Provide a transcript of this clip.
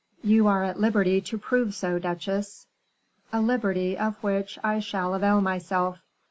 "You are at liberty to prove so, duchesse." "A liberty of which I shall avail myself."